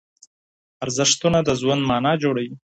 ارزښتونه د ژوند مانا جوړوي.